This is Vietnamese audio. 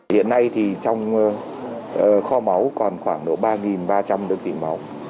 hiện nay thì trong kho máu còn khoảng độ ba ba trăm linh đơn vị máu